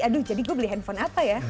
aduh jadi gue beli handphone apa ya